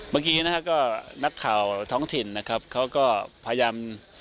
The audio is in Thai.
เมื่อกี้นะครับก็นักข่าวท้องถิ่นนะครับเขาก็พยายาม